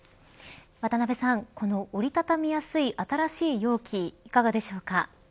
渡辺さん、この折り畳みやすい新しい容器、いかがでしょうか。